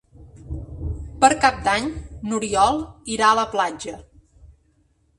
Per Cap d'Any n'Oriol irà a la platja.